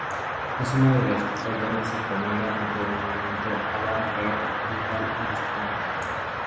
Es una de las pocas bandas españolas dentro del movimiento Avant-garde metal en España.